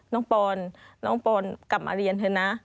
ปอนน้องปอนกลับมาเรียนเถอะนะ